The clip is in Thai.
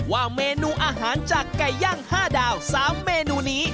ว่าเมนูอาหารจากไก่ย่าง๕ดาว๓เมนูนี้